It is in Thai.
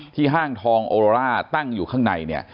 ห้างทองโอโรล่าตั้งอยู่ข้างในเนี่ย